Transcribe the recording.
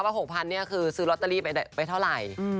ว่าหกพันซื้อรอตเตอรี่ไปเท่าไร